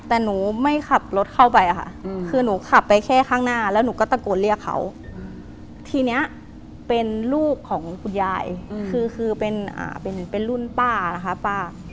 แต่หนูไม่ขับรถเข้าไปค่ะคือหนูขับไปแค่ข้างหน้าแล้วหนูก็ตะโกนเรียกเขาทีนี้เป็นลูกของคุณยายคือเป็นรุ่นป้านะคะป้า